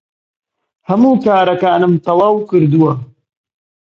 هەموو کارەکانم تەواو کردووە.